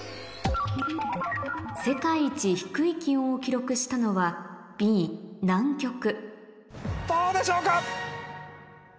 世界一低い気温を記録したのはどうでしょうか？